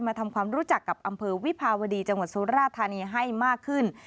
ทำความรู้จักกับอำเภอวิภาวดีจังหวัดสุราธานีให้มากขึ้น